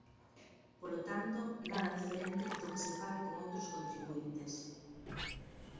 Polo tanto, nada diferente do que se faga con outros contribuíntes.